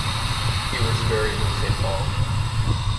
He was buried in Saint Paul.